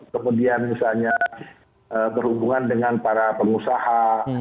kemudian misalnya berhubungan dengan para pengusaha